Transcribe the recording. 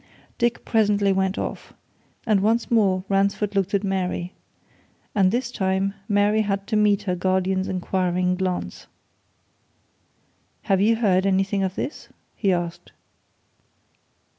Dick presently went off and once more Ransford looked at Mary. And this time, Mary had to meet her guardian's inquiring glance. "Have you heard anything of this?" he asked.